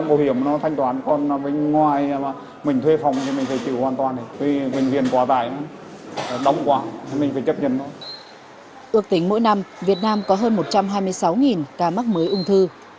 ước tính mỗi năm việt nam có hơn một trăm hai mươi sáu ca mắc mới ung thư